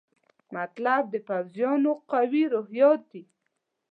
مطلب د پوځیانو قوي روحیات دي.